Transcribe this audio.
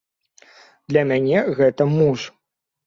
Для мяне гэта муж.